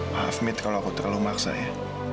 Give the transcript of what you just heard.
maaf mit kalau aku terlalu memaksa ya